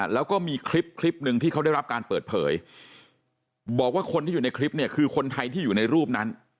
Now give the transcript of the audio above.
แล้วก็มีคลิปคลิปหนึ่งที่เขาได้รับการเปิดเผยบอกว่าคนที่อยู่ในคลิปเนี่ยคือคนไทยที่อยู่ในรูปนั้น